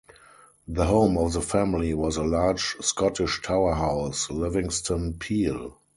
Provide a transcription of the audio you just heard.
The home of the family was a large Scottish tower house, Livingston Peel.